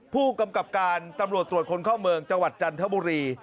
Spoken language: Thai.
ผู้กำกับการตำรวจตรวจคนเข้าเมืองจังหวัดจันทบุรี